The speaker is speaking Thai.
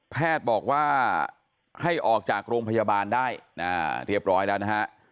แพทย์บอกว่าให้ออกจากโรงพยาบาลได้เรียบร้อยแล้วนะฮะ